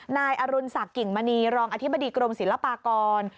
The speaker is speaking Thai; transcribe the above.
นายอรุณศักดิ่งมณีรองอธิบดีกรมศิลปากร